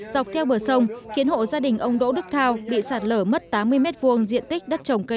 dọc theo bờ sông khiến hộ gia đình ông đỗ đức thao bị sạt lở mất tám mươi m hai diện tích đất trồng cây